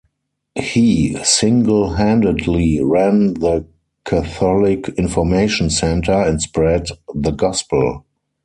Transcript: He singlehandedly ran the Catholic Information Centre and spread the Gospel.